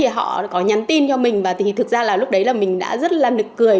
thì họ có nhắn tin cho mình và thì thực ra là lúc đấy là mình đã rất là nực cười